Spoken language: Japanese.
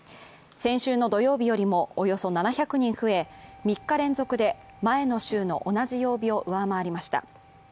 先週の土曜日よりもおよそ７００人増え３日連続で前の週の同じ曜日を上回りました。